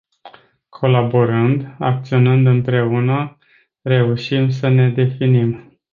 Colaborând, acționând împreună, reușim să ne definim.